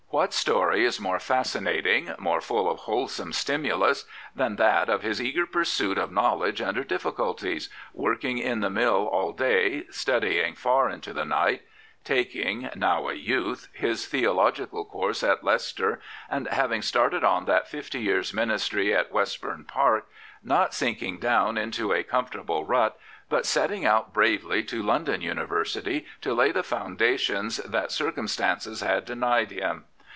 What story is more fascinating, more full of wholesome stimulus, than that of his eager pursuit of knowledge under difficulties — ^working in the mill all day, studying far into the night; taking — ^now a youth — ^his theological course at Leicester, and, having started on that fifty years' ministry at West bourne Park, not sinking down into a comfortable rut, but setting out bravely to London University to lay the foundations that circumstances had denied him.